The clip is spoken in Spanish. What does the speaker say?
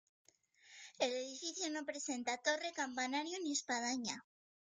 El edificio no presenta torre campanario ni espadaña.